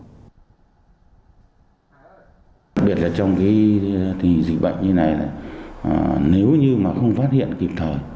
đặc biệt là trong cái dịch bệnh như này nếu như mà không phát hiện kịp thời